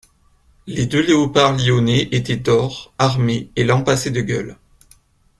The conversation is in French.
Les deux léopards lionnés étaient d'or, armés et lampassés de gueules.